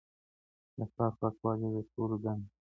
د ښار پاکوالی د ټولو دنده ده.